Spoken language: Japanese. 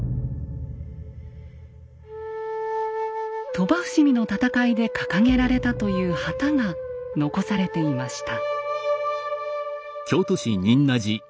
鳥羽伏見の戦いで掲げられたという旗が残されていました。